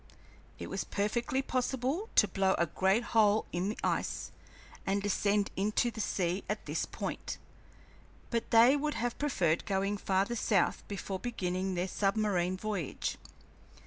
It was perfectly possible to blow a great hole in the ice and descend into the sea at this point, but they would have preferred going farther south before beginning their submarine voyage.